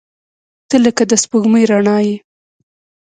• ته لکه د سپوږمۍ رڼا یې.